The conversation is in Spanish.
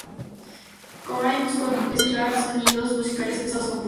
Cobain buscó mezclar sonidos musicales pesados con pop.